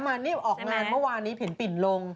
ชักงานเมื่อวานนี้ผลิตปิดลง